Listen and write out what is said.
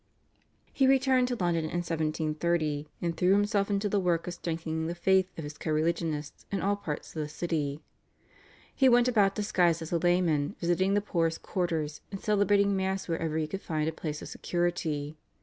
He returned to London in 1730, and threw himself into the work of strengthening the faith of his co religionists in all parts of the city. He went about disguised as a layman, visiting the poorest quarters, and celebrating Mass wherever he could find a place of security.